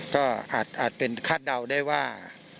ก็อาจเป็นคาดเดาได้ว่า